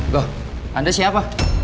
loh anda siapa